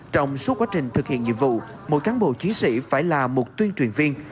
trong quá trình thực hiện nhiệm vụ một cán bộ chiến sĩ phải là một tuyên truyền viên